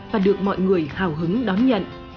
và được mọi người hào hứng đón nhận